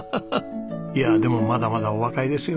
いやでもまだまだお若いですよ。